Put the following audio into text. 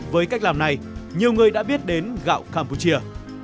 với cách làm này nhiều người đã biết đến gạo campuchia